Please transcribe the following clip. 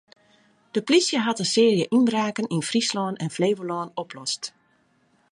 De plysje hat in searje ynbraken yn Fryslân en Flevolân oplost.